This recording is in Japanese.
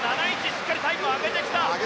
しっかりタイムを上げてきた。